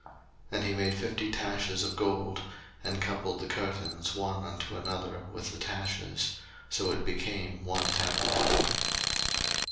02:036:013 And he made fifty taches of gold, and coupled the curtains one unto another with the taches: so it became one tabernacle.